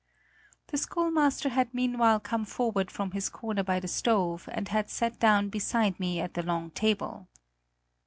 The schoolmaster had meanwhile come forward from his corner by the stove and had sat down beside me at the long table.